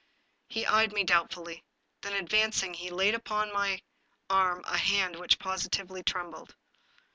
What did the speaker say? He eyed me doubtfully. Then, advancing, he laid upon my arm a hand which positively trembled.